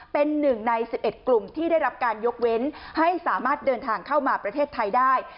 เป็นหนึ่งใน๑๑กลุ่มที่ได้รับการยกเว้นให้สามารถเดินทางเข้ามาประเทศไทยได้